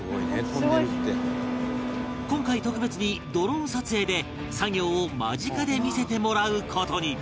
今回特別にドローン撮影で作業を間近で見せてもらう事に